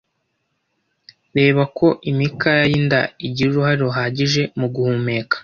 reba ko imikaya y’inda igira uruhare ruhagije mu guhumeka